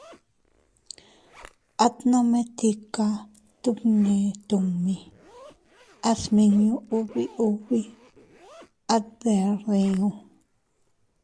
At nome tika tun neʼe tummi, a sminoo ubi ubi, at deʼer diu.